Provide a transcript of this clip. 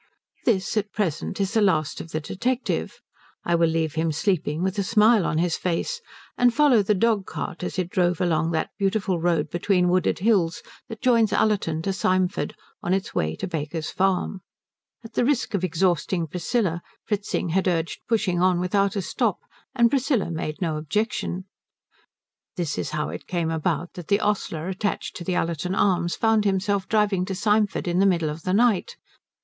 This, at present, is the last of the detective. I will leave him sleeping with a smile on his face, and follow the dog cart as it drove along that beautiful road between wooded hills that joins Ullerton to Symford, on its way to Baker's Farm. At the risk of exhausting Priscilla Fritzing had urged pushing on without a stop, and Priscilla made no objection. This is how it came about that the ostler attached to the Ullerton Arms found himself driving to Symford in the middle of the night.